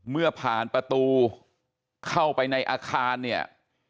เมื่อผ่านประตูเข้าไปในอาคารเนี่ย